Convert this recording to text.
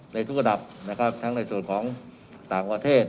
ในทุกระดับนะครับทั้งในส่วนของต่างประเทศ